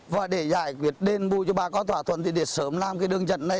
và để giải quyết đền bùi cho bà con thỏa thuận thì để sớm làm cái đường trận này